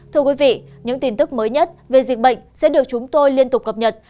thưa quý vị những tin tức mới nhất về dịch bệnh sẽ được chúng tôi liên tục cập nhật